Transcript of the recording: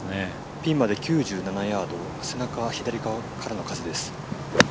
ピンまで９７ヤード背中左側からの風です。